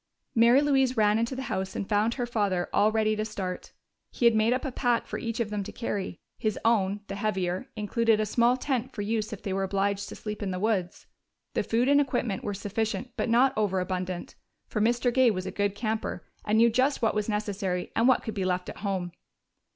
Mary Louise ran into the house and found her father all ready to start. He had made up a pack for each of them to carry; his own, the heavier, included a small tent for use if they were obliged to sleep in the woods. The food and equipment were sufficient but not overabundant, for Mr. Gay was a good camper and knew just what was necessary and what could be left at home.